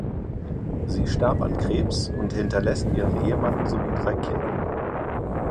Sie starb an Krebs und hinterlässt ihren Ehemann sowie drei Kinder.